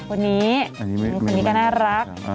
คนนี้คนนี้ก็น่ารัก